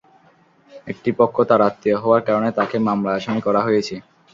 একটি পক্ষ তাঁর আত্মীয় হওয়ার কারণে তাঁকে মামলায় আসামি করা হয়েছে।